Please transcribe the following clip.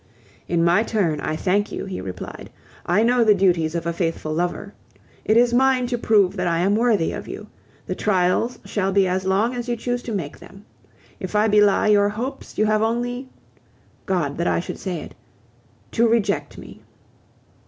"In my turn, I thank you," he replied. "I know the duties of a faithful lover. It is mine to prove that I am worthy of you; the trials shall be as long as you choose to make them. If I belie your hopes, you have only God! that I should say it to reject me."